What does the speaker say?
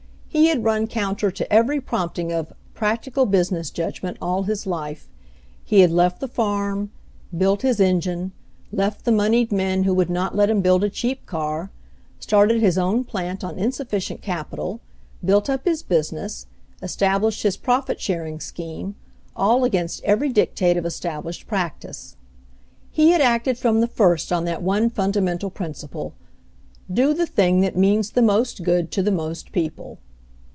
He had run counter to every prompting of "practical business judgment" all his life — he had left the farm, built his engine, left the moneyed men who would not let him build a cheap car, started his own plant on insufficient capital, built up his business, established his profit sharing scheme — all against every dictate of established practice. He had acted from the first on that one funda mental principle, "Do the thing that means the \ most good to the most people."